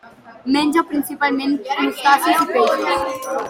Menja principalment crustacis i peixos.